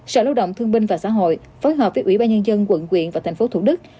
sở lao động thương minh và xã hội phối hợp với ủy ban nhân dân tp hcm và tp hcm